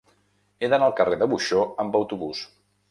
He d'anar al carrer de Buxó amb autobús.